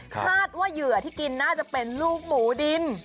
ว่าเหยื่อที่กินน่าจะเป็นลูกหมูดิน